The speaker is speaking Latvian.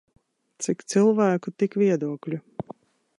Cik cilvēku tik viedokļu.